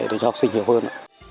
để cho học sinh hiểu hơn